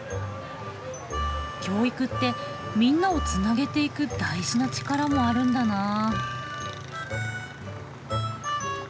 教育ってみんなをつなげていく大事な力もあるんだなあ。